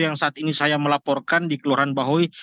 yang saat ini saya melaporkan di kelurahan bahoy